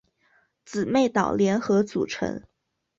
姊妹岛联合组成。